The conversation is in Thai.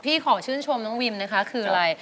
ขอชื่นชมน้องวิมนะคะคืออะไร